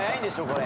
これ」